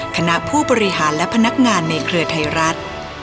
คณะผู้บริหารและพนักงานในเครือไทยรัฐ